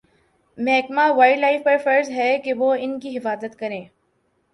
محکمہ wildlife پر فرض ہے کہ وہ ان کی حفاظت کریں